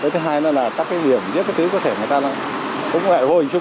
thứ hai là các cái điểm những cái thứ có thể người ta cũng gọi vô hình chung